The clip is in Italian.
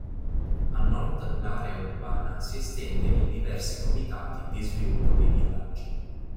A nord l'area urbana si estende in diversi Comitati di Sviluppo dei Villaggi.